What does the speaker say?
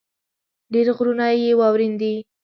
ډېر غرونه يې واؤرين دي ـ